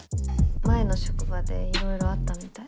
前の職場でいろいろあったみたい。